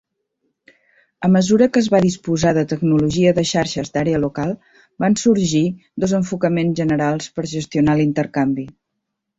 A mesura que es va disposar de tecnologia de xarxes d'àrea local, van sorgir dos enfocaments generals per gestionar l'intercanvi.